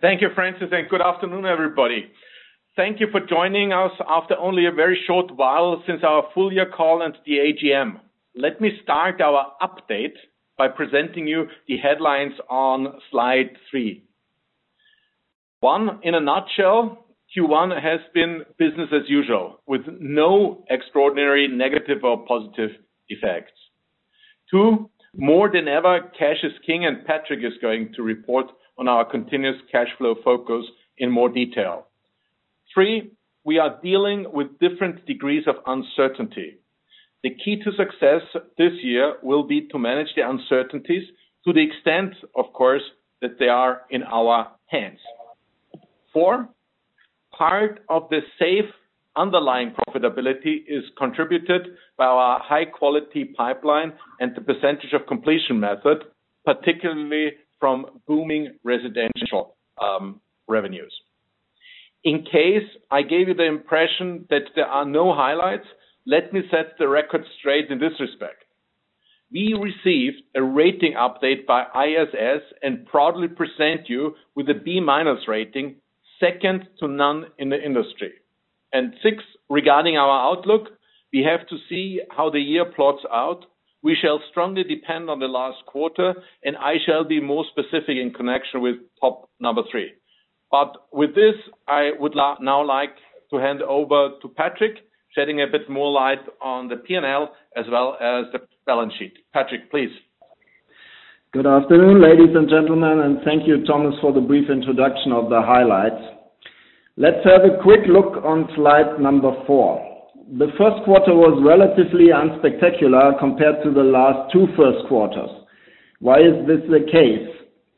Thank you, Francis, and good afternoon, everybody. Thank you for joining us after only a very short while since our full year call and the AGM. Let me start our update by presenting you the headlines on slide 3. One, in a nutshell, Q1 has been business as usual, with no extraordinary negative or positive effects. Two, more than ever, cash is king, and Patric is going to report on our continuous cash flow focus in more detail. Three, we are dealing with different degrees of uncertainty. The key to success this year will be to manage the uncertainties to the extent, of course, that they are in our hands. Four, part of the safe underlying profitability is contributed by our high quality pipeline and the percentage of completion method, particularly from booming residential revenues. In case I gave you the impression that there are no highlights, let me set the record straight in this respect. We received a rating update by ISS and proudly present you with a B-minus rating, second to none in the industry. Six, regarding our outlook, we have to see how the year plays out. We shall strongly depend on the last quarter, and I shall be more specific in connection with topic number three. With this, I would now like to hand over to Patric Thate, shedding a bit more light on the P&L as well as the balance sheet. Patric Thate, please. Good afternoon, ladies and gentlemen, and thank you, Thomas, for the brief introduction of the highlights. Let's have a quick look on slide number 4. The first quarter was relatively unspectacular compared to the last two first quarters. Why is this the case?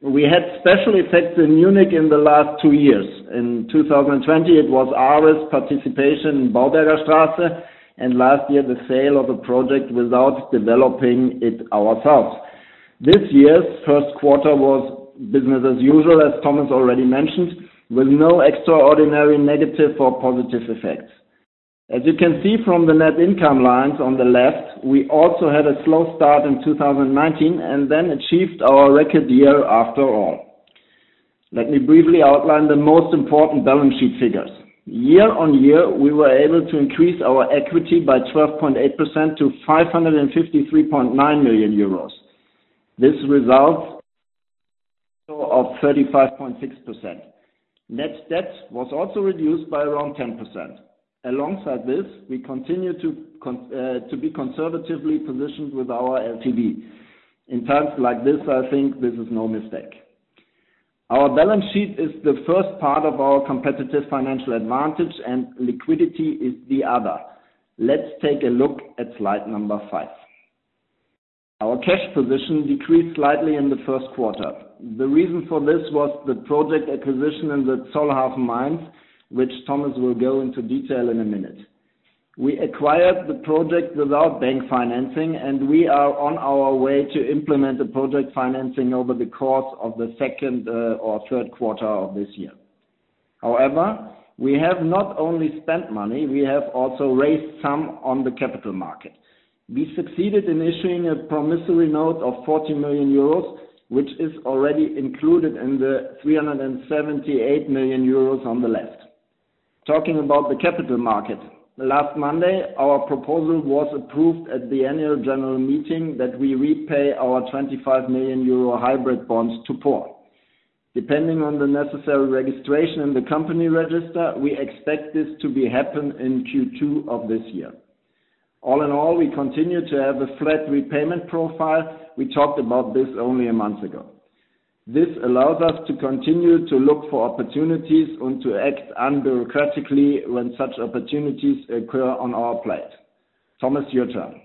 We had special effects in Munich in the last two years. In 2020, it was our participation in Baubergerstraße, and last year, the sale of a project without developing it ourselves. This year's first quarter was business as usual, as Thomas already mentioned, with no extraordinary negative or positive effects. As you can see from the net income lines on the left, we also had a slow start in 2019 and then achieved our record year after all. Let me briefly outline the most important balance sheet figures. Year on year, we were able to increase our equity by 12.8% to EUR 553.9 million. This results in 35.6%. Net debt was also reduced by around 10%. Alongside this, we continue to be conservatively positioned with our LTV. In times like this, I think this is no mistake. Our balance sheet is the first part of our competitive financial advantage, and liquidity is the other. Let's take a look at slide 5. Our cash position decreased slightly in the first quarter. The reason for this was the project acquisition in the Zollhafen Mainz, which Thomas will go into detail in a minute. We acquired the project without bank financing, and we are on our way to implement the project financing over the course of the second or third quarter of this year. However, we have not only spent money, we have also raised some on the capital market. We succeeded in issuing a promissory note of 40 million euros, which is already included in the 378 million euros on the left. Talking about the capital market, last Monday, our proposal was approved at the annual general meeting that we repay our 25 million euro hybrid bonds to par. Depending on the necessary registration in the company register, we expect this to happen in Q2 of this year. All in all, we continue to have a flat repayment profile. We talked about this only a month ago. This allows us to continue to look for opportunities and to act unbureaucratically when such opportunities occur on our plate. Thomas, your turn.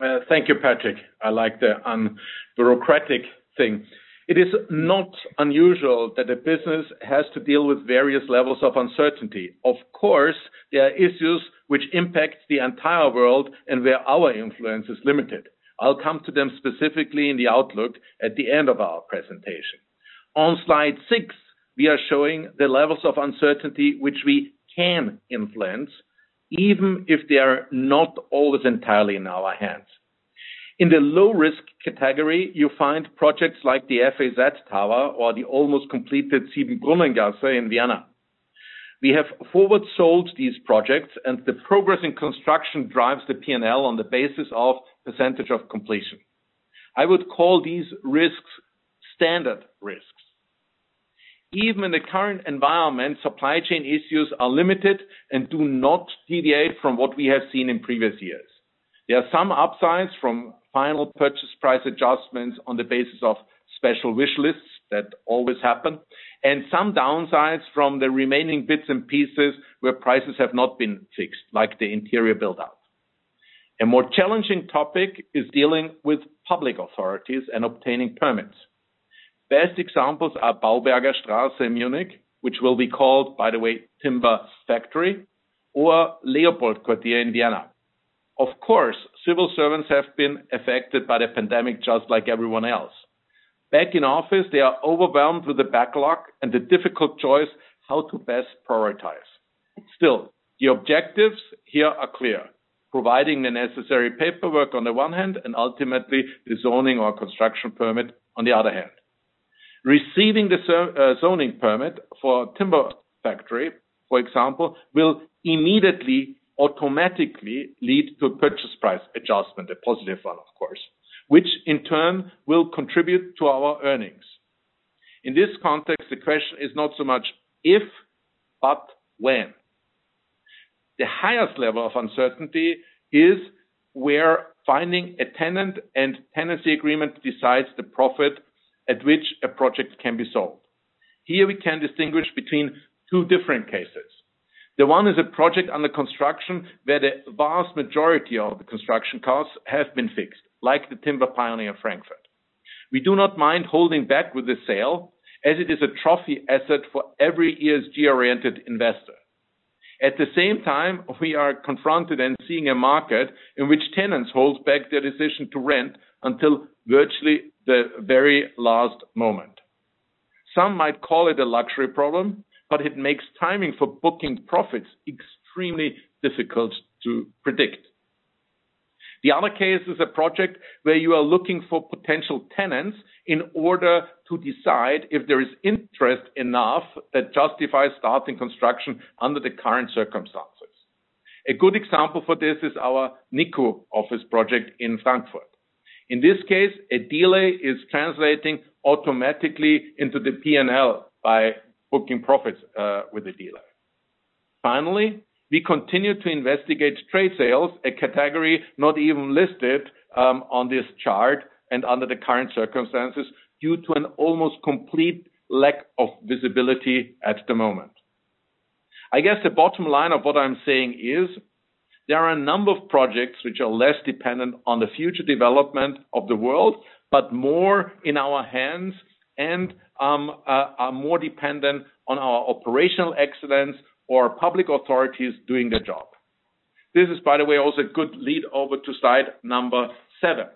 Well, thank you, Patric. I like the unbureaucratic thing. It is not unusual that a business has to deal with various levels of uncertainty. Of course, there are issues which impact the entire world and where our influence is limited. I'll come to them specifically in the outlook at the end of our presentation. On slide 6, we are showing the levels of uncertainty which we can influence, even if they are not always entirely in our hands. In the low-risk category, you find projects like the F.A.Z. Tower or the almost completed Siebenbrunnengasse in Vienna. We have forward sold these projects, and the progress in construction drives the P&L on the basis of percentage of completion. I would call these risks standard risks. Even in the current environment, supply chain issues are limited and do not deviate from what we have seen in previous years. There are some upsides from final purchase price adjustments on the basis of special wish lists that always happen, and some downsides from the remaining bits and pieces where prices have not been fixed, like the interior build-out. A more challenging topic is dealing with public authorities and obtaining permits. Best examples are Baubergerstraße in Munich, which will be called, by the way, Timber Factory, or LeopoldQuartier in Vienna. Of course, civil servants have been affected by the pandemic just like everyone else. Back in office, they are overwhelmed with the backlog and the difficult choice how to best prioritize. Still, the objectives here are clear, providing the necessary paperwork on the one hand, and ultimately the zoning or construction permit on the other hand. Receiving the zoning permit for Timber Factory, for example, will immediately automatically lead to a purchase price adjustment, a positive one of course, which in turn will contribute to our earnings. In this context, the question is not so much if, but when. The highest level of uncertainty is where finding a tenant and tenancy agreement decides the profit at which a project can be sold. Here we can distinguish between two different cases. The one is a project under construction, where the vast majority of the construction costs have been fixed, like the Timber Pioneer Frankfurt. We do not mind holding back with the sale, as it is a trophy asset for every ESG-oriented investor. At the same time, we are confronted and seeing a market in which tenants hold back their decision to rent until virtually the very last moment. Some might call it a luxury problem, but it makes timing for booking profits extremely difficult to predict. The other case is a project where you are looking for potential tenants in order to decide if there is interest enough that justifies starting construction under the current circumstances. A good example for this is our nico office project in Frankfurt. In this case, a delay is translating automatically into the P&L by booking profits with the dealer. Finally, we continue to investigate trade sales, a category not even listed on this chart and under the current circumstances due to an almost complete lack of visibility at the moment. I guess the bottom line of what I'm saying is, there are a number of projects which are less dependent on the future development of the world, but more in our hands and are more dependent on our operational excellence or public authorities doing their job. This is, by the way, also a good lead over to slide number seven.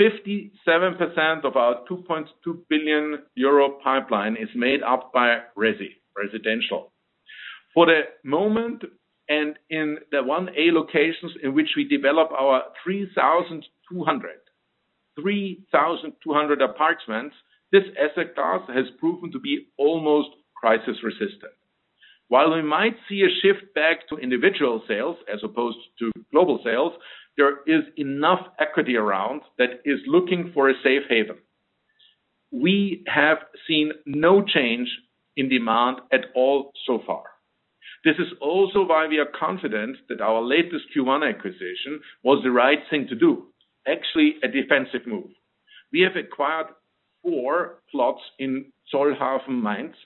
57% of our 2.2 billion euro pipeline is made up by residential. For the moment, and in the 1A locations in which we develop our 3,200 apartments, this asset class has proven to be almost crisis resistant. While we might see a shift back to individual sales as opposed to global sales, there is enough equity around that is looking for a safe haven. We have seen no change in demand at all so far. This is also why we are confident that our latest Q1 acquisition was the right thing to do, actually a defensive move. We have acquired four plots in Zollhafen, Mainz,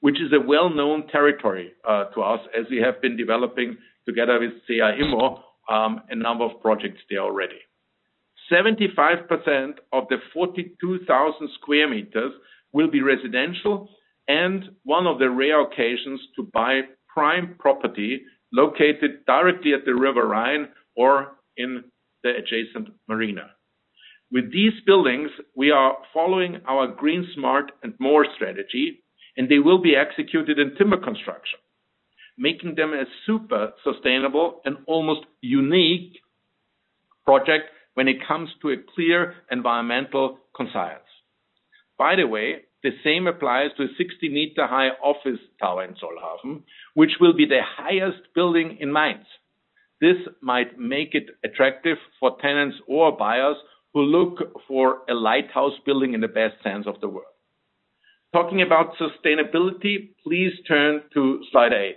which is a well-known territory to us as we have been developing together with CA Immo a number of projects there already. 75% of the 42,000 square meters will be residential and one of the rare occasions to buy prime property located directly at the River Rhine or in the adjacent marina. With these buildings, we are following our green. smart. and more. strategy, and they will be executed in timber construction, making them a super sustainable and almost unique project when it comes to a clear environmental conscience. By the way, the same applies to a 60-meter-high office tower in Zollhafen, which will be the highest building in Mainz. This might make it attractive for tenants or buyers who look for a lighthouse building in the best sense of the word. Talking about sustainability, please turn to slide 8.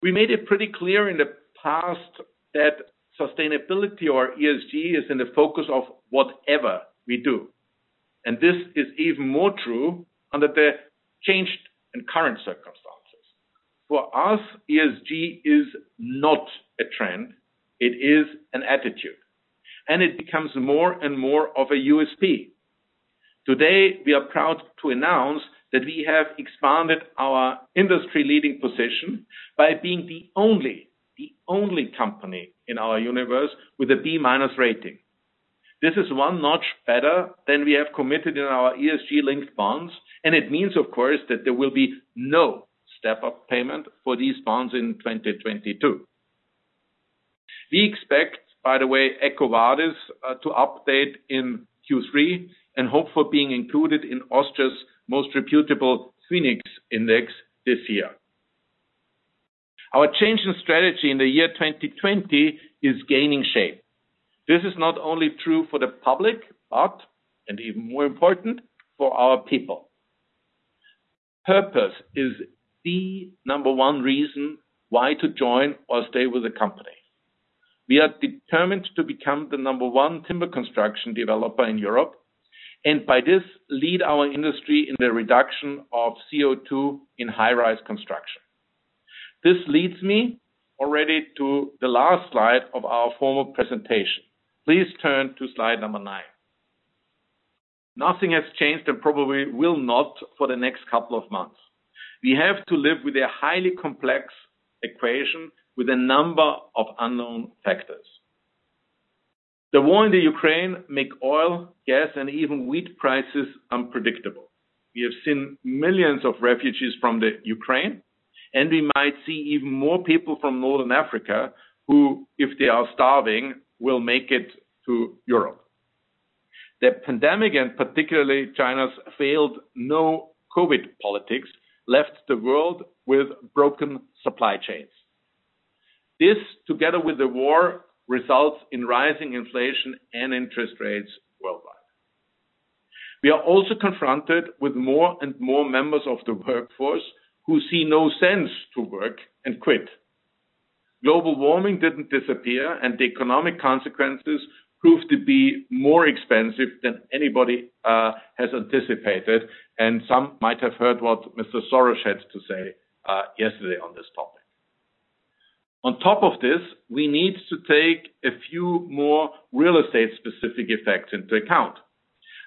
We made it pretty clear in the past that sustainability or ESG is in the focus of whatever we do. This is even more true under the changed and current circumstances. For us, ESG is not a trend, it is an attitude, and it becomes more and more of a USP. Today, we are proud to announce that we have expanded our industry-leading position by being the only company in our universe with a B-minus rating. This is one notch better than we have committed in our ESG-linked bonds, and it means, of course, that there will be no step-up payment for these bonds in 2022. We expect, by the way, EcoVadis to update in Q3 and hope for being included in Austria's most reputable VÖNIX index this year. Our change in strategy in the year 2020 is gaining shape. This is not only true for the public, but and even more important, for our people. Purpose is the number one reason why to join or stay with the company. We are determined to become the number one timber construction developer in Europe, and by this, lead our industry in the reduction of CO2 in high-rise construction. This leads me already to the last slide of our formal presentation. Please turn to slide number 9. Nothing has changed, and probably will not for the next couple of months. We have to live with a highly complex equation with a number of unknown factors. The war in Ukraine makes oil, gas, and even wheat prices unpredictable. We have seen millions of refugees from Ukraine, and we might see even more people from North Africa, who, if they are starving, will make it to Europe. The pandemic and particularly China's failed zero-COVID policy left the world with broken supply chains. This, together with the war, results in rising inflation and interest rates worldwide. We are also confronted with more and more members of the workforce who see no sense to work and quit. Global warming didn't disappear, and the economic consequences proved to be more expensive than anybody has anticipated. Some might have heard what Mr. Soros had to say yesterday on this topic. On top of this, we need to take a few more real estate specific effects into account.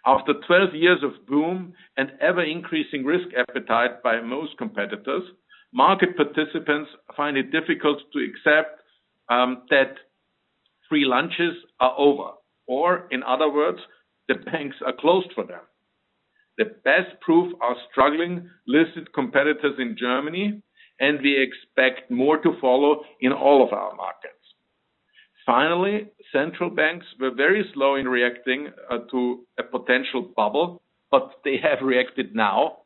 After 12 years of boom and ever-increasing risk appetite by most competitors, market participants find it difficult to accept that free lunches are over. In other words, the banks are closed for them. The best proof are struggling listed competitors in Germany, and we expect more to follow in all of our markets. Finally, central banks were very slow in reacting to a potential bubble, but they have reacted now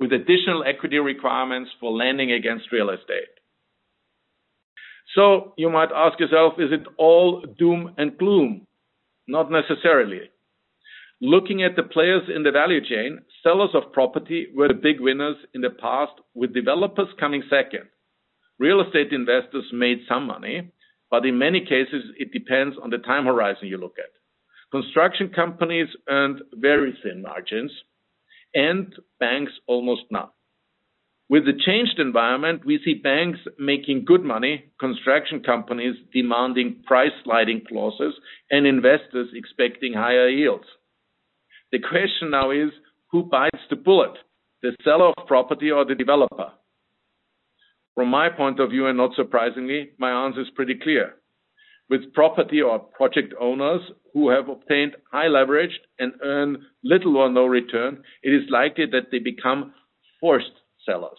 with additional equity requirements for lending against real estate. You might ask yourself, is it all doom and gloom? Not necessarily. Looking at the players in the value chain, sellers of property were the big winners in the past, with developers coming second. Real estate investors made some money, but in many cases it depends on the time horizon you look at. Construction companies earned very thin margins and banks almost none. With the changed environment, we see banks making good money, construction companies demanding price sliding clauses, and investors expecting higher yields. The question now is, who bites the bullet? The seller of property or the developer? From my point of view, and not surprisingly, my answer is pretty clear. With property or project owners who have obtained high leverage and earn little or no return, it is likely that they become forced sellers.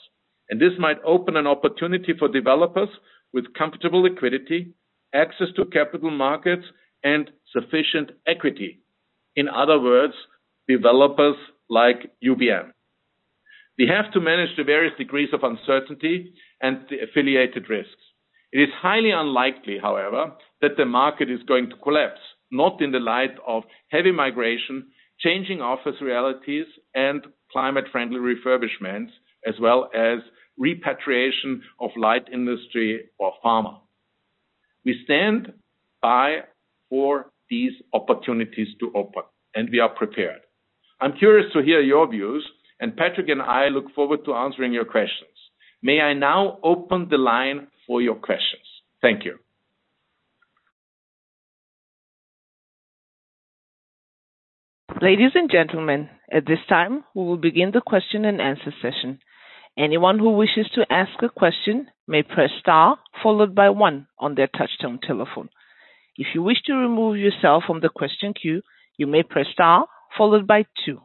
This might open an opportunity for developers with comfortable liquidity, access to capital markets, and sufficient equity. In other words, developers like UBM. We have to manage the various degrees of uncertainty and the affiliated risks. It is highly unlikely, however, that the market is going to collapse, not in the light of heavy migration, changing office realities and climate friendly refurbishments, as well as repatriation of light industry or pharma. We stand by for these opportunities to open, and we are prepared. I'm curious to hear your views, and Patric and I look forward to answering your questions. May I now open the line for your questions? Thank you. Ladies and gentlemen, at this time we will begin the question and answer session. Anyone who wishes to ask a question may press star followed by 1 on their touchtone telephone. If you wish to remove yourself from the question queue, you may press star followed by 2.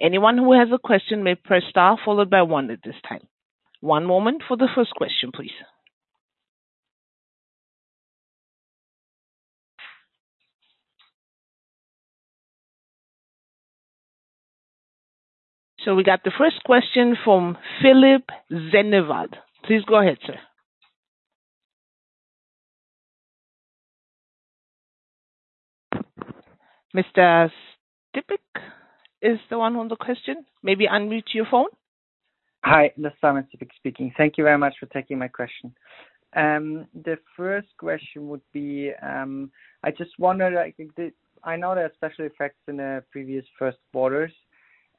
Anyone who has a question may press star followed by one at this time. One moment for the first question, please. We got the first question from Philipp Sennewald. Please go ahead, sir. Mr. Zipek is the one on the question. Maybe unmute your phone. Hi. Simon Zipek speaking. Thank you very much for taking my question. The first question would be, I just wondered, I think I know there are special effects in the previous first quarters,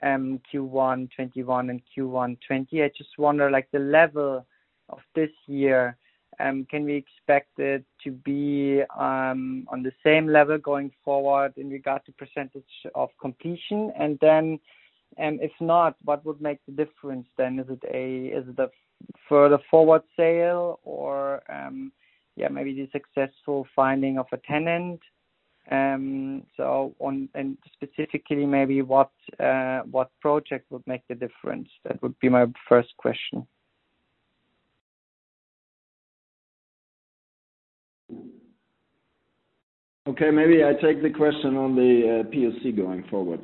Q1 2021 and Q1 2020. I just wonder, like, the level of this year, can we expect it to be on the same level going forward in regards to percentage of completion? And then, if not, what would make the difference then? Is it a, is it the further forward sale or, yeah, maybe the successful finding of a tenant? So on. And specifically maybe what project would make the difference? That would be my first question. Okay, maybe I take the question on the POC going forward.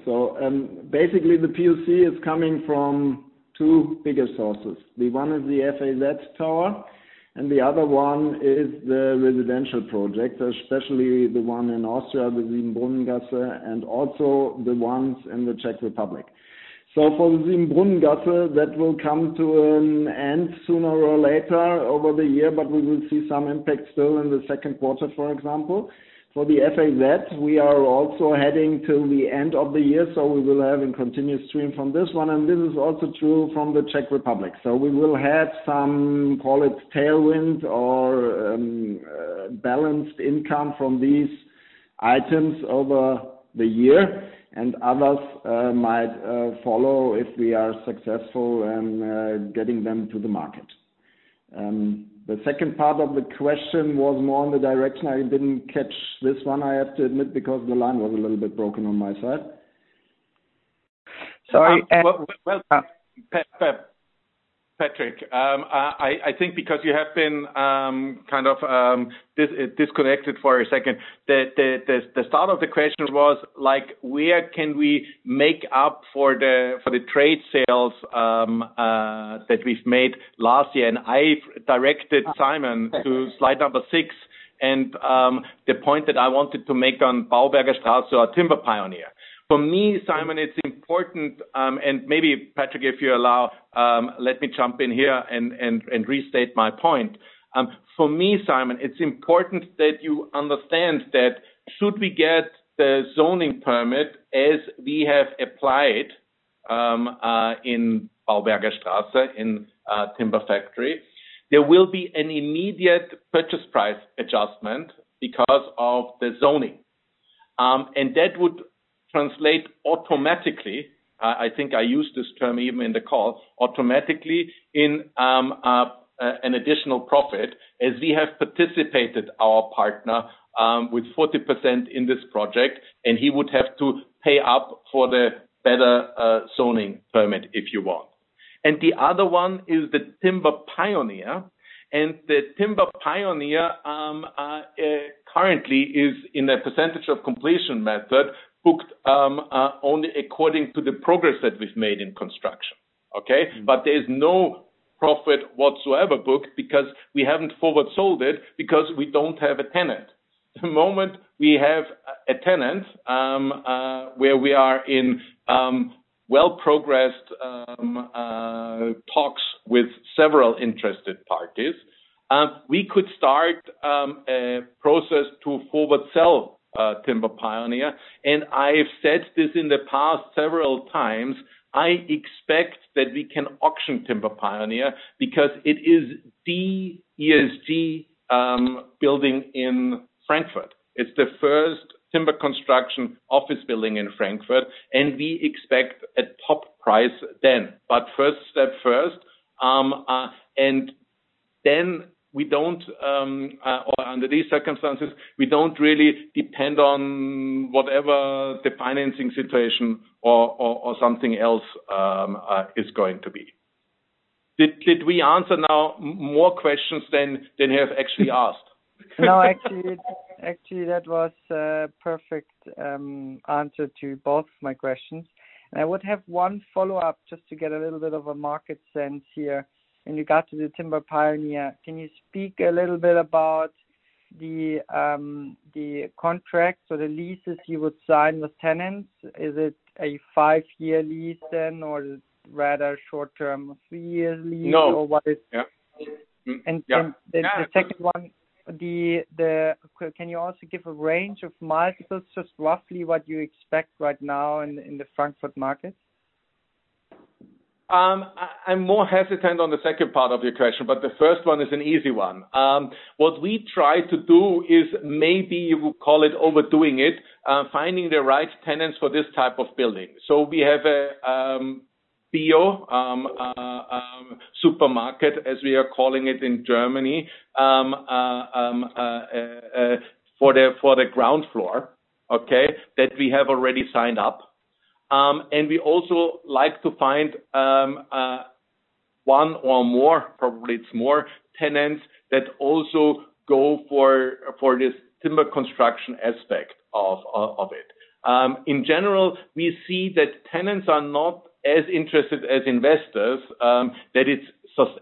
Basically the POC is coming from two bigger sources. The one is the F.A.Z. Tower and the other one is the residential project, especially the one in Austria, the Siebenbrunnengasse, and also the ones in the Czech Republic. For the Siebenbrunnengasse, that will come to an end sooner or later over the year, but we will see some impact still in the second quarter, for example. For the F.A.Z., we are also heading till the end of the year, so we will have a continuous stream from this one. This is also true from the Czech Republic. We will have some, call it tailwind or balanced income from these items over the year and others might follow if we are successful in getting them to the market. The second part of the question was more on the direction. I didn't catch this one, I have to admit, because the line was a little bit broken on my side. Sorry. Well, Patric, I think because you have been kind of disconnected for a second, the start of the question was, like, where can we make up for the trade sales that we've made last year? I directed Simon to slide number 6 and the point that I wanted to make on Baubergerstraße, our Timber Factory. For me, Simon, it's important and maybe Patric, if you allow, let me jump in here and restate my point. For me, Simon, it's important that you understand that should we get the zoning permit as we have applied in Baubergerstraße in Timber Factory, there will be an immediate purchase price adjustment because of the zoning. That would translate automatically. I think I used this term even in the call, automatically in an additional profit as we have participated, our partner with 40% in this project, and he would have to pay up for the better zoning permit, if you want. The other one is the Timber Pioneer. The Timber Pioneer currently is in a percentage of completion method booked only according to the progress that we've made in construction. There is no profit whatsoever booked because we haven't forward sold it because we don't have a tenant. The moment we have a tenant, where we are in well progressed talks with several interested parties, we could start a process to forward sell Timber Pioneer. I have said this in the past several times, I expect that we can auction Timber Pioneer because it is the ESG building in Frankfurt. It's the first timber construction office building in Frankfurt, and we expect a top price then. First step first. Then we don't or under these circumstances, we don't really depend on whatever the financing situation or something else is going to be. Did we answer now more questions than you have actually asked? No, actually, that was perfect answer to both my questions. I would have one follow-up just to get a little bit of a market sense here. In regard to the Timber Pioneer, can you speak a little bit about the contracts or the leases you would sign with tenants? Is it a five-year lease then, or is it rather short term, three-year lease? No. Or what is- Yeah. And, and- Yeah. The second one. Can you also give a range of multiples, just roughly what you expect right now in the Frankfurt market? I'm more hesitant on the second part of your question, but the first one is an easy one. What we try to do is maybe you would call it overdoing it, finding the right tenants for this type of building. We have a bio supermarket, as we are calling it in Germany, for the ground floor, okay, that we have already signed up. We also like to find one or more, probably it's more tenants that also go for this timber construction aspect of it. In general, we see that tenants are not as interested as investors, that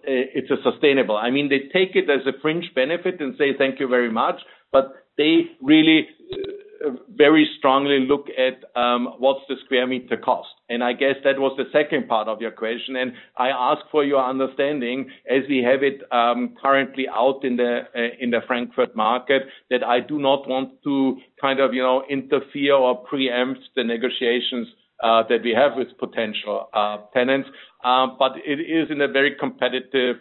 it's a sustainable. I mean, they take it as a fringe benefit and say, "Thank you very much," but they really very strongly look at what's the square meter cost. I guess that was the second part of your question. I ask for your understanding as we have it currently out in the Frankfurt market, that I do not want to kind of, you know, interfere or preempt the negotiations that we have with potential tenants. But it is in a very competitive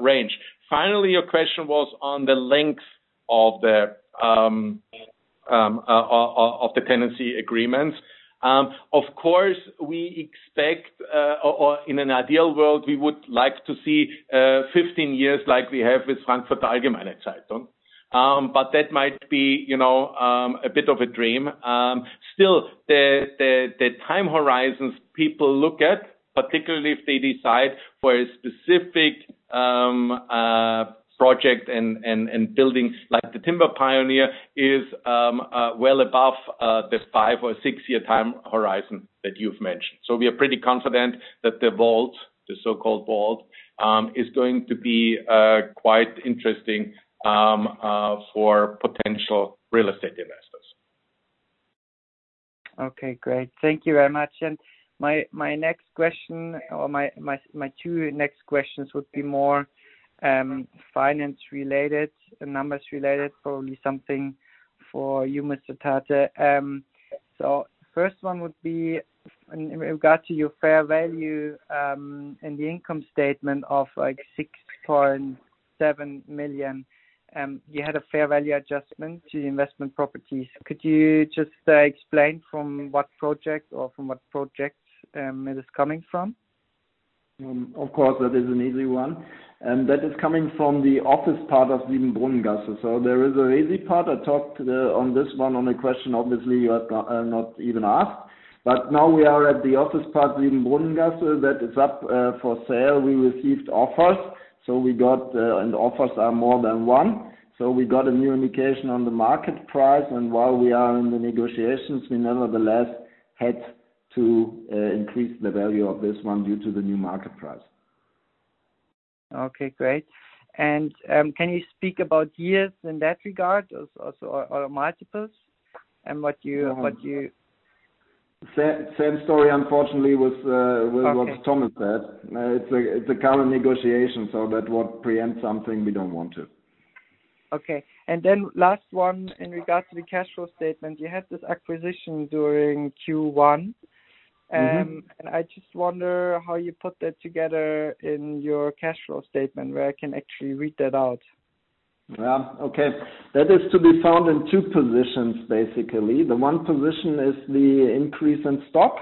range. Finally, your question was on the length of the tenancy agreements. Of course, we expect or in an ideal world, we would like to see 15 years like we have with Frankfurter Allgemeine Zeitung. But that might be, you know, a bit of a dream. Still, the time horizons people look at, particularly if they decide for a specific project and building like the Timber Pioneer is well above the 5- or 6-year time horizon that you've mentioned. We are pretty confident that the WALT, the so-called WALT, is going to be quite interesting for potential real estate investors. Okay, great. Thank you very much. My next question or my two next questions would be more finance related, numbers related, probably something for you, Patric Thate. So first one would be in regard to your fair value in the income statement of like 6.7 million. You had a fair value adjustment to the investment properties. Could you just explain from what project or from what projects it is coming from? Of course, that is an easy one. That is coming from the office part of Siebenbrunnengasse. There is an easy part. I talked on this one on a question obviously you have not even asked. Now we are at the office part, Siebenbrunnengasse, that is up for sale. We received offers, so we got, and the offers are more than one. We got a new indication on the market price. While we are in the negotiations, we nevertheless had to increase the value of this one due to the new market price. Okay, great. Can you speak about years in that regard also or multiples and what you Same story, unfortunately, with, Okay. With what Thomas said. It's a current negotiation, so that would preempt something we don't want to. Okay. Last one in regards to the cash flow statement. You had this acquisition during Q1. Mm-hmm. I just wonder how you put that together in your cash flow statement, where I can actually read that out. Yeah. Okay. That is to be found in two positions, basically. The one position is the increase in stock,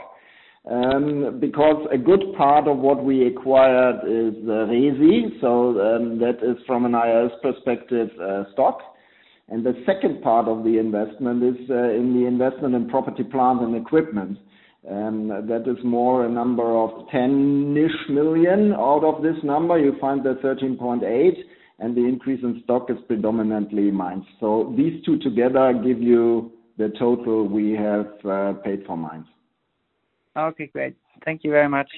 because a good part of what we acquired is leased. That is from an IFRS perspective, stock. The second part of the investment is in the investment in property, plant, and equipment. That is more a number of 10-ish million. Out of this number, you find the 13.8 million, and the increase in stock is predominantly Mainz. These two together give you the total we have paid for Mainz. Okay, great. Thank you very much.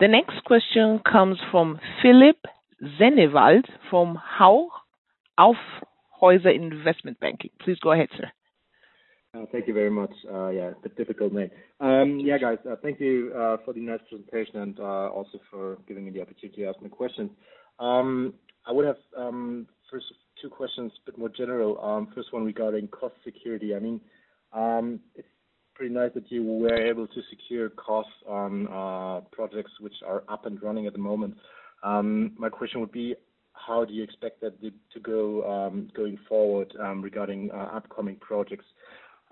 The next question comes from Philipp Sennewald from Hauck Aufhäuser Lampe Privatbank. Please go ahead, sir. Thank you very much. Yeah, it's a difficult name. Yeah, guys, thank you for the nice presentation and also for giving me the opportunity to ask my question. I would have first two questions, but more general. First one regarding cost security. I mean, it's pretty nice that you were able to secure costs on projects which are up and running at the moment. My question would be. How do you expect that to go going forward regarding upcoming projects?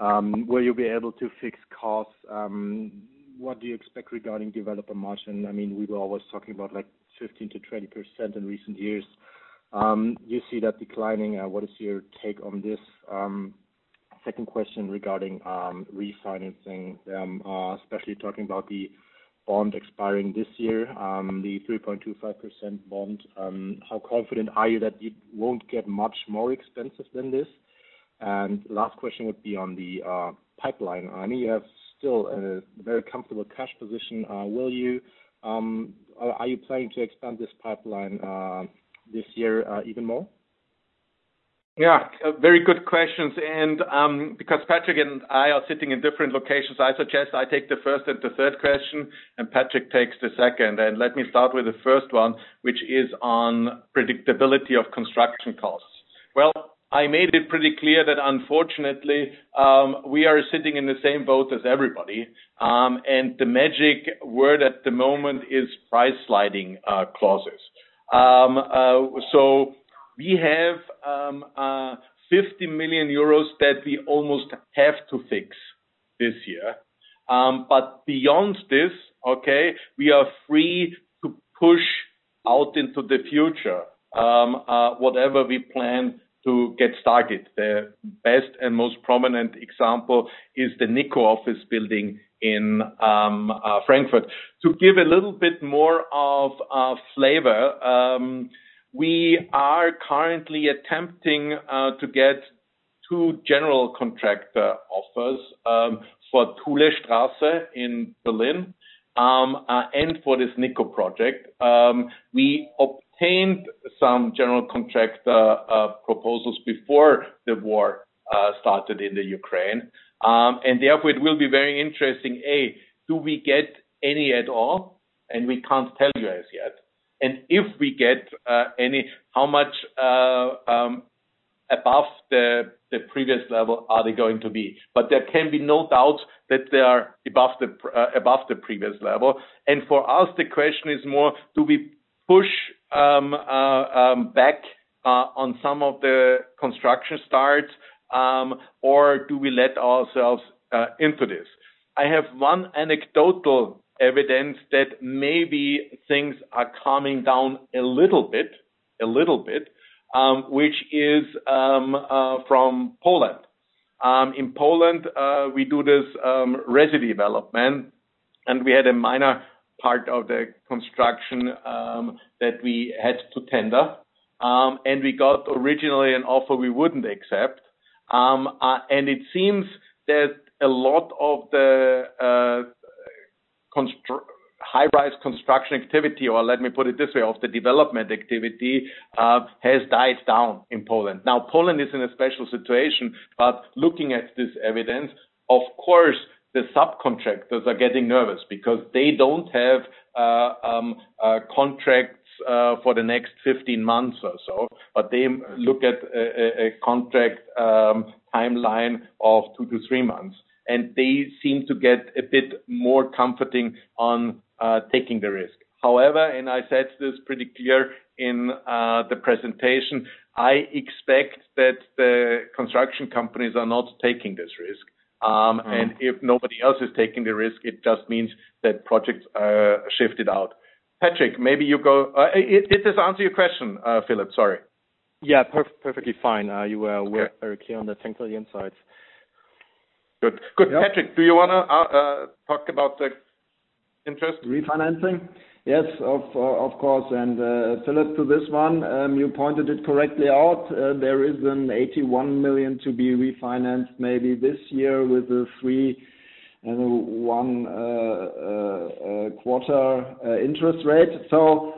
Will you be able to fix costs? What do you expect regarding developer margin? I mean, we were always talking about, like, 15%-20% in recent years. You see that declining. What is your take on this? Second question regarding refinancing, especially talking about the bond expiring this year, the 3.25% bond. How confident are you that it won't get much more expensive than this? Last question would be on the pipeline. I know you have still a very comfortable cash position. Will you or are you planning to expand this pipeline this year even more? Yeah, very good questions. Because Patric and I are sitting in different locations, I suggest I take the first and the third question, and Patric takes the second. Let me start with the first one, which is on predictability of construction costs. Well, I made it pretty clear that, unfortunately, we are sitting in the same boat as everybody. The magic word at the moment is price sliding clauses. We have 50 million euros that we almost have to fix this year. Beyond this, okay, we are free to push out into the future whatever we plan to get started. The best and most prominent example is the nico office building in Frankfurt. To give a little bit more of flavor, we are currently attempting to get two general contractor offers for Thulestraße in Berlin and for this nico project. We obtained some general contractor proposals before the war started in the Ukraine. Therefore, it will be very interesting. Do we get any at all? We can't tell you as yet. If we get any, how much above the previous level are they going to be? There can be no doubt that they are above the previous level. For us, the question is more, do we push back on some of the construction starts or do we let ourselves into this? I have one anecdotal evidence that maybe things are calming down a little bit, which is from Poland. In Poland, we do this resi development, and we had a minor part of the construction that we had to tender. We got originally an offer we wouldn't accept. It seems that a lot of the high rise construction activity, or let me put it this way, of the development activity, has died down in Poland. Now, Poland is in a special situation. Looking at this evidence, of course, the subcontractors are getting nervous because they don't have contracts for the next 15 months or so. They look at a contract timeline of two to three months, and they seem to get a bit more comfortable on taking the risk. However, I said this pretty clearly in the presentation. I expect that the construction companies are not taking this risk. If nobody else is taking the risk, it just means that projects are shifted out. Patric, maybe you go. Is this answer your question, Philipp? Sorry. Yeah. Perfectly fine. You were very clear on that. Thanks for the insights. Good. Patric, do you wanna talk about the interest- Refinancing? Yes, of course. Philipp, to this one, you pointed it correctly out. There is 81 million to be refinanced maybe this year with the 3 and one quarter interest rate.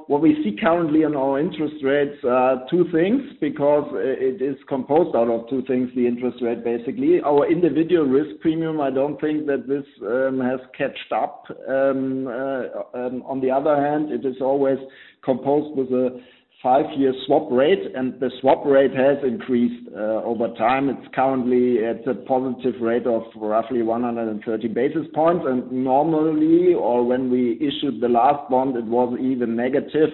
What we see currently in our interest rates are two things, because it is composed out of two things, the interest rate, basically. Our individual risk premium, I don't think that this has caught up. On the other hand, it is always composed with a five-year swap rate, and the swap rate has increased over time. It's currently at a positive rate of roughly 130 basis points. Normally, or when we issued the last bond, it was even negative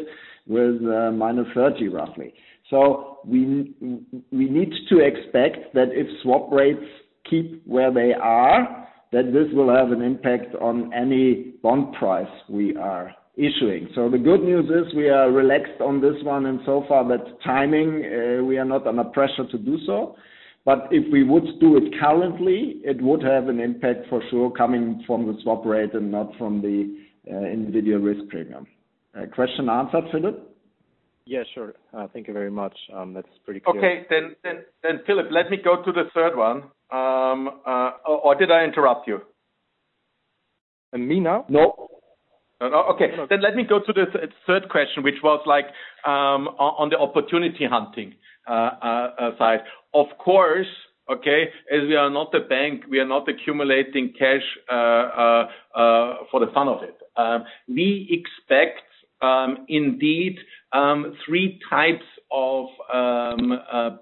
with minus 30, roughly. We need to expect that if swap rates keep where they are, that this will have an impact on any bond price we are issuing. The good news is we are relaxed on this one and so far that timing, we are not under pressure to do so. If we would do it currently, it would have an impact for sure coming from the swap rate and not from the individual risk premium. Question answered, Philip? Yeah, sure. Thank you very much. That's pretty clear. Okay. Philipp, let me go to the third one. Did I interrupt you? Me no Okay. Let me go to the third question, which was like, on the opportunity hunting side. Of course, okay, as we are not a bank, we are not accumulating cash for the fun of it. We expect, indeed, three types of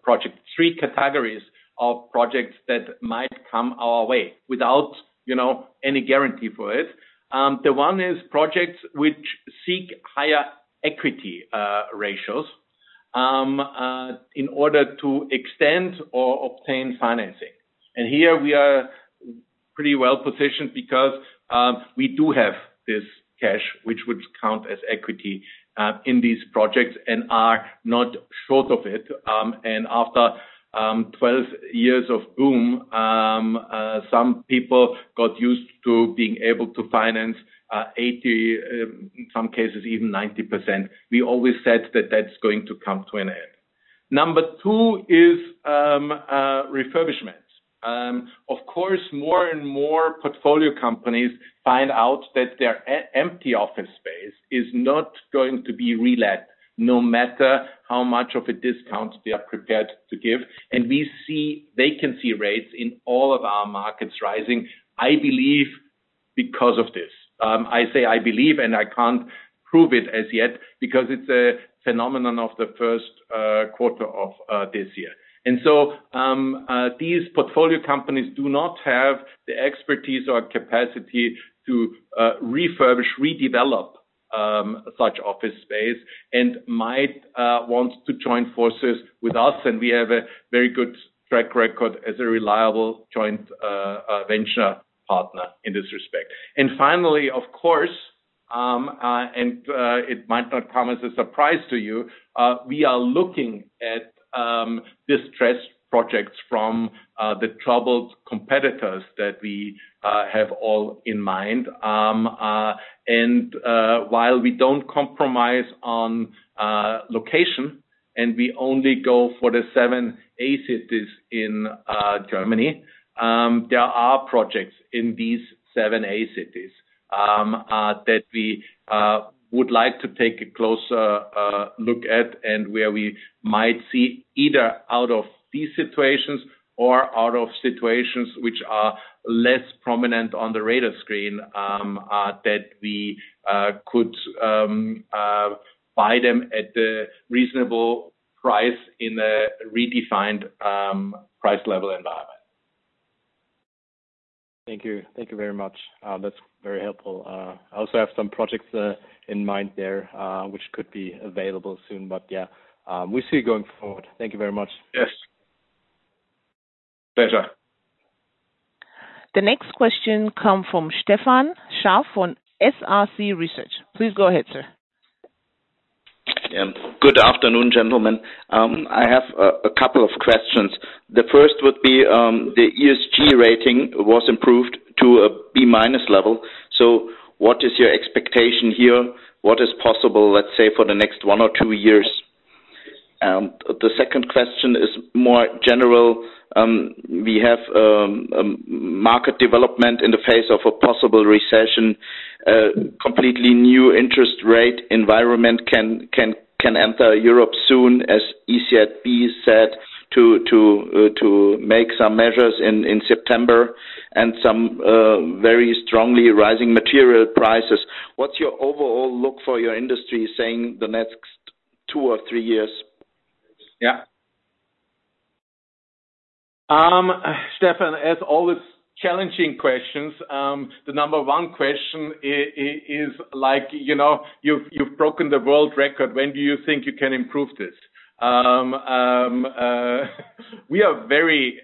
project, three categories of projects that might come our way without, you know, any guarantee for it. The one is projects which seek higher equity ratios in order to extend or obtain financing. Here we are pretty well-positioned because we do have this cash, which would count as equity in these projects and are not short of it. After 12 years of boom, some people got used to being able to finance 80, in some cases even 90%. We always said that that's going to come to an end. Number two is refurbishment. Of course, more and more portfolio companies find out that their empty office space is not going to be relet no matter how much of a discount they are prepared to give. We see vacancy rates in all of our markets rising, I believe because of this. I say I believe, and I can't prove it as yet because it's a phenomenon of the first quarter of this year. These portfolio companies do not have the expertise or capacity to refurbish, redevelop such office space and might want to join forces with us, and we have a very good track record as a reliable joint venture partner in this respect. Finally, of course, it might not come as a surprise to you, we are looking at distressed projects from the troubled competitors that we have all in mind. While we don't compromise on location and we only go for the seven A cities in Germany, there are projects in these seven A cities that we would like to take a closer look at and where we might see either out of these situations or out of situations which are less prominent on the radar screen that we could buy them at a reasonable price in a redefined price level environment. Thank you. Thank you very much. That's very helpful. I also have some projects in mind there, which could be available soon, but yeah, we'll see going forward. Thank you very much. Yes. Pleasure. The next question comes from Stefan Scharff on SRC Research. Please go ahead, sir. Good afternoon, gentlemen. I have a couple of questions. The first would be the ESG rating was improved to a B-minus level. What is your expectation here? What is possible, let's say, for the next one or two years? The second question is more general. We have market development in the face of a possible recession. A completely new interest rate environment can enter Europe soon, as ECB said to make some measures in September and some very strongly rising material prices. What's your overall outlook for your industry in the next two or three years? Yeah. Stefan, as always, challenging questions. The number one question is like, you know, you've broken the world record. When do you think you can improve this? We are very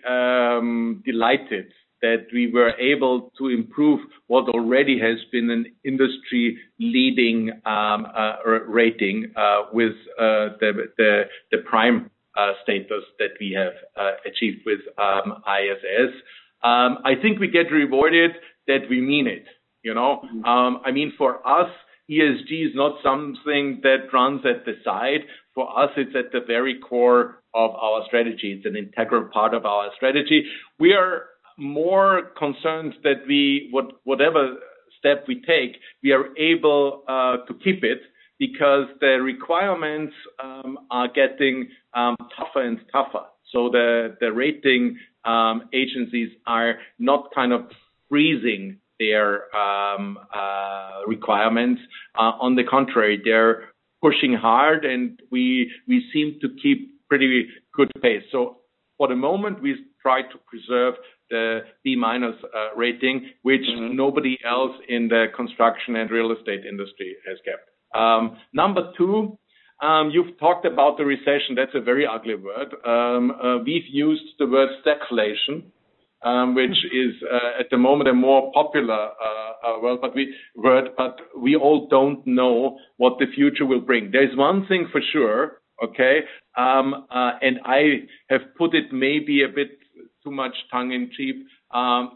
delighted that we were able to improve what already has been an industry-leading rating with the prime status that we have achieved with ISS. I think we get rewarded that we mean it, you know? Mm-hmm. I mean, for us, ESG is not something that runs at the side. For us, it's at the very core of our strategy. It's an integral part of our strategy. We are more concerned that whatever step we take, we are able to keep it because the requirements are getting tougher and tougher. The rating agencies are not kind of freezing their requirements. On the contrary, they're pushing hard, and we seem to keep pretty good pace. For the moment, we try to preserve the B-minus rating, which Mm-hmm Nobody else in the construction and real estate industry has kept. Number 2, you've talked about the recession. That's a very ugly word. We've used the word stagflation. Mm-hmm which is at the moment a more popular word, but we all don't know what the future will bring. There's one thing for sure, and I have put it maybe a bit too much tongue in cheek. I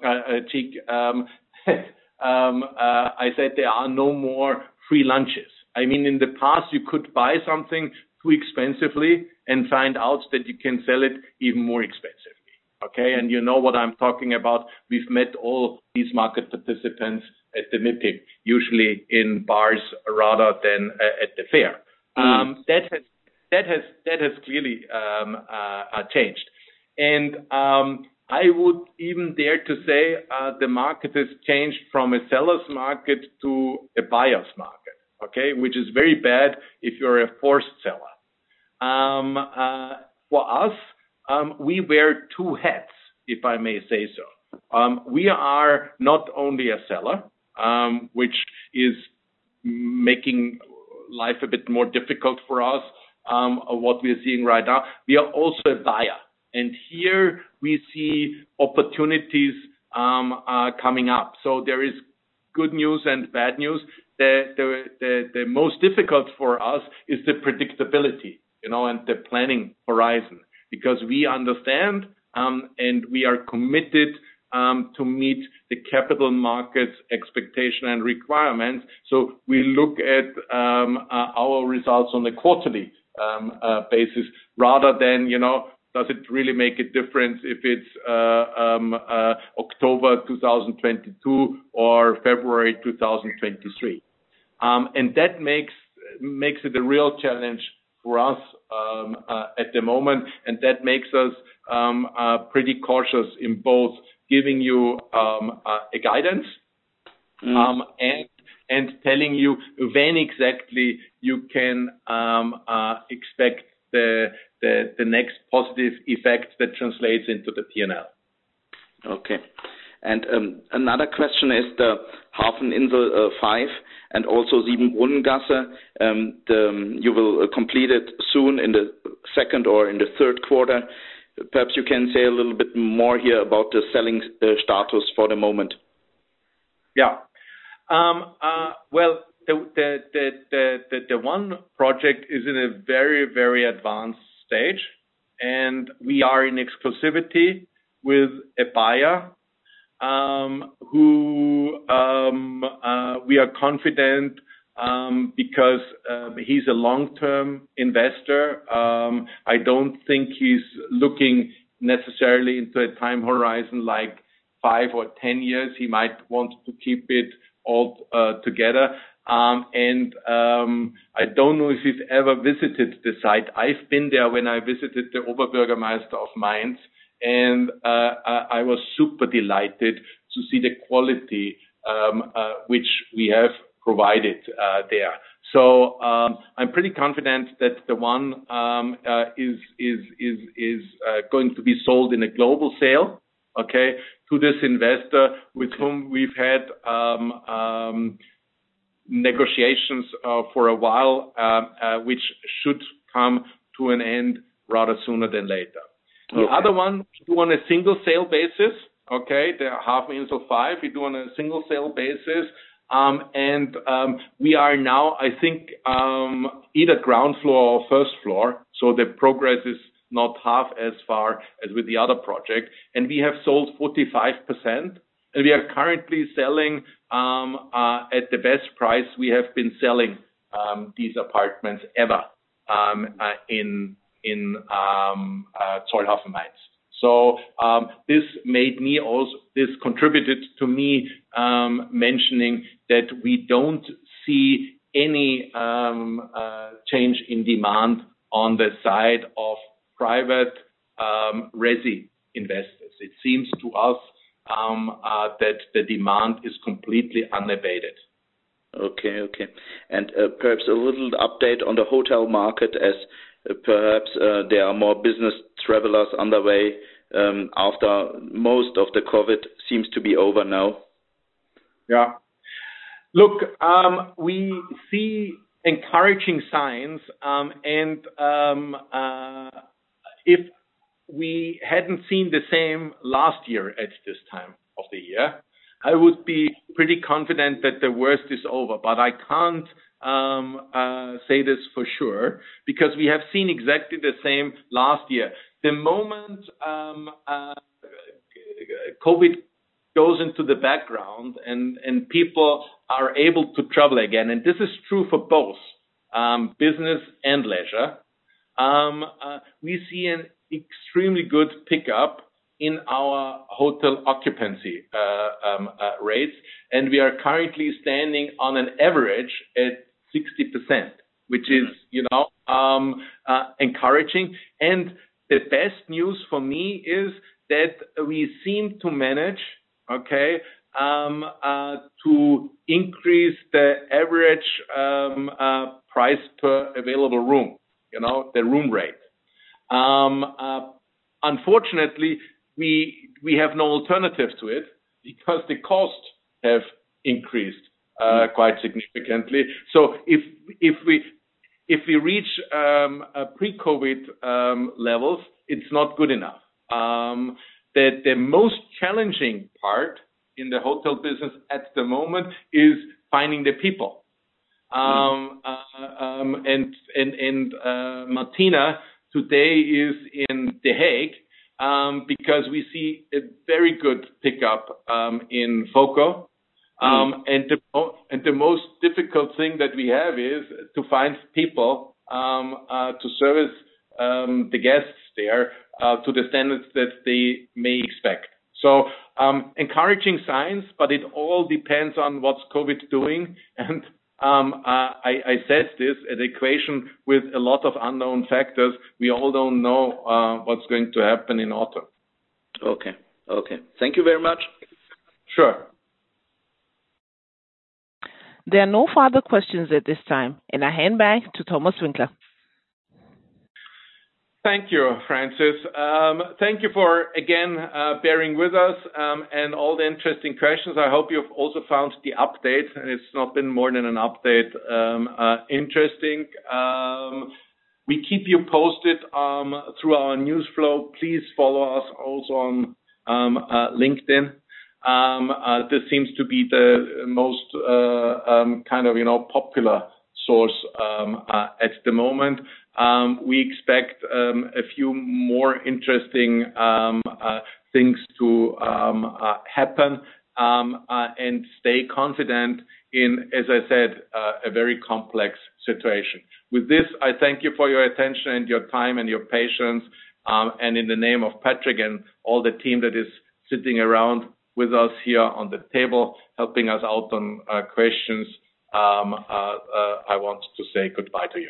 said there are no more free lunches. I mean, in the past, you could buy something too expensively and find out that you can sell it even more expensively. You know what I'm talking about. We've met all these market participants at the MIPIM, usually in bars rather than at the fair. Mm-hmm. That has clearly changed. I would even dare to say the market has changed from a seller's market to a buyer's market, okay? Which is very bad if you're a forced seller. For us, we wear two hats, if I may say so. We are not only a seller, which is making life a bit more difficult for us, what we're seeing right now. We are also a buyer. Here we see opportunities coming up. There is good news and bad news. The most difficult for us is the predictability, you know, and the planning horizon. Because we understand and we are committed to meet the capital markets expectation and requirements. We look at our results on a quarterly basis, rather than, you know, does it really make a difference if it's October 2022 or February 2023. That makes it a real challenge for us at the moment. That makes us pretty cautious in both giving you a guidance. Mm-hmm telling you when exactly you can expect the next positive effect that translates into the P&L. Another question is the Hafeninsel V and also the Siebenbrunnengasse. You will complete it soon in the second or in the third quarter. Perhaps you can say a little bit more here about the selling status for the moment. Yeah. Well, The One project is in a very, very advanced stage. We are in exclusivity with a buyer who we are confident because he's a long-term investor. I don't think he's looking necessarily into a time horizon like five or 10 years. He might want to keep it all together. I don't know if you've ever visited the site. I've been there when I visited the Oberbürgermeister of Mainz. I was super delighted to see the quality which we have provided there. I'm pretty confident that The One is going to be sold in a global sale, okay, to this investor with whom we've had negotiations for a while, which should come to an end rather sooner than later. Okay. The other one, we do on a single sale basis, okay? The Hafeninsel V, we do on a single sale basis. We are now, I think, either ground floor or first floor. The progress is not half as far as with the other project. We have sold 45%. We are currently selling at the best price we have been selling these apartments ever in Zollhafen Mainz. This contributed to me mentioning that we don't see any change in demand on the side of private resi investors. It seems to us that the demand is completely unabated. Okay. Perhaps a little update on the hotel market as perhaps there are more business travelers on the way after most of the COVID seems to be over now. Yeah. Look, we see encouraging signs, and if we hadn't seen the same last year at this time of the year, I would be pretty confident that the worst is over. I can't say this for sure because we have seen exactly the same last year. The moment COVID goes into the background and people are able to travel again, and this is true for both business and leisure, we see an extremely good pickup in our hotel occupancy rates, and we are currently standing on an average at 60%, which is, you know, encouraging. The best news for me is that we seem to manage, okay, to increase the average price per available room, you know, the room rate. Unfortunately, we have no alternative to it because the costs have increased quite significantly. If we reach pre-COVID levels, it's not good enough. The most challenging part in the hotel business at the moment is finding the people. Martina today is in The Hague because we see a very good pickup in voco. The most difficult thing that we have is to find people to service the guests there to the standards that they may expect. Encouraging signs, but it all depends on what's COVID doing, and I said this at the equation with a lot of unknown factors. We all don't know what's going to happen in autumn. Okay. Okay. Thank you very much. Sure. There are no further questions at this time. I hand back to Thomas Winkler. Thank you, Francis. Thank you for again bearing with us, and all the interesting questions. I hope you've also found the update, and it's not been more than an update, interesting. We keep you posted through our news flow. Please follow us also on LinkedIn. This seems to be the most kind of, you know, popular source at the moment. We expect a few more interesting things to happen, and stay confident in, as I said, a very complex situation. With this, I thank you for your attention and your time and your patience. In the name of Patric and all the team that is sitting around with us here on the table, helping us out on questions, I want to say goodbye to you.